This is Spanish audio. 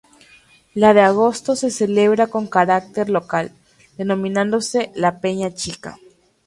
La de agosto se celebra con carácter local, denominándose ""La Peña Chica"".